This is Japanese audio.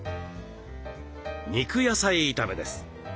肉野菜炒めです。